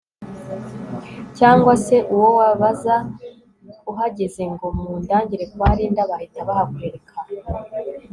cyangwa se uwo wabaza uhageze ngo mundangire kwa Linda bahita bahakwereka